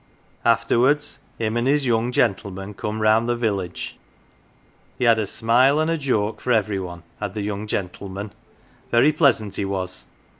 Afterwards him and his young gentleman come round the village he had a smile an' a joke for every one, had the young gentleman very pleasant he was.